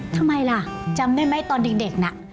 ทำไมล่ะจำได้ไหมตอนเด็กน่ะ